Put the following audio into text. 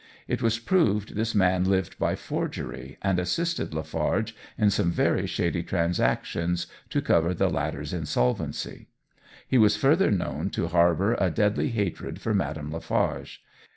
It was proved this man lived by forgery, and assisted Lafarge in some very shady transactions to cover the latter's insolvency. He was further known to harbour a deadly hatred for Madame Lafarge.